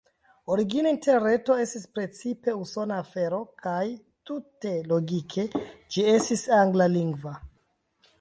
Origine Interreto estis precipe usona afero kaj, tute logike, ĝi estis anglalingva.